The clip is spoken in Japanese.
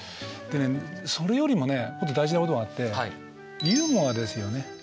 でねそれよりもねもっと大事なことがあってユーモアですよね。